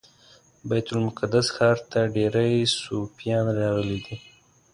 بیت المقدس ښار ته ډیری صوفیان راغلي دي.